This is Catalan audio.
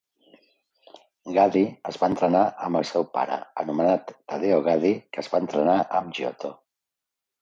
Gaddi es va entrenar amb el seu pare, anomenat Taddeo Gaddi, que es va entrenar amb Giotto.